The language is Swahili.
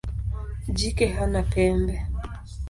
Jike hana pembe.